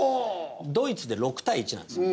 ドイツで６：１なんですよ。